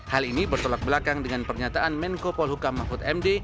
hal ini bertolak belakang dengan pernyataan menko polhukam mahfud md